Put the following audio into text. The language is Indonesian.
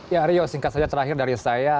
ya rio singkat saja terakhir dari saya